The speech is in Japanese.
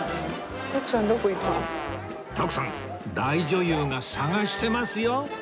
徳さん大女優が捜してますよ